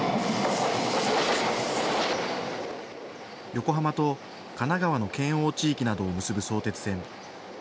横浜と神奈川の県央地域などを結ぶ相鉄線。